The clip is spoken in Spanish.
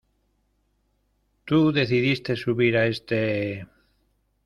Tú decidiste subir a éste...